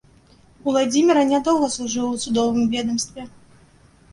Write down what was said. Уладзіміра нядоўга служыў у судовым ведамстве.